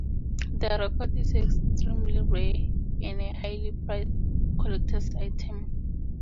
The record is extremely rare, and a highly prized collector's item.